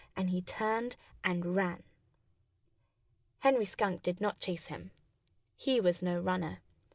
And he turned and ran. Henry Skunk did not chase him. He was no runner.